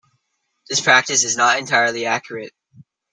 This practice is not entirely accurate.